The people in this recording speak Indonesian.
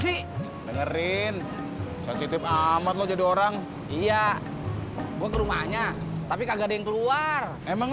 sih dengerin sensitif amat lo jadi orang iya gue ke rumahnya tapi kagak ada yang keluar emang